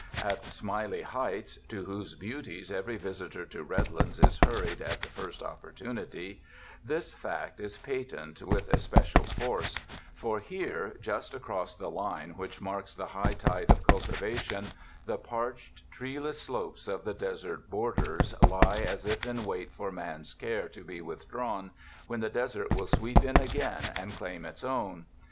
At Smiley Heights, to whose beauties every visitor to Redlands is hurried at the first op portunity, this fact is patent with especial force ; for 212 TOURIST TOWNS here, just across the line which marks the high tide of cultivation, the parched, treeless slopes of the desert borders lie as if in wait for man's care to be withdrawn, when the desert will sweep in again and claim its own.